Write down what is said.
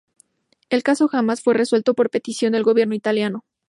El caso jamás fue resuelto por petición del gobierno italiano.